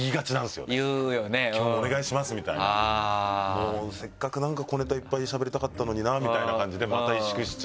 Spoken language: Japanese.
もうせっかく小ネタいっぱいしゃべりたかったのになみたいな感じでまた。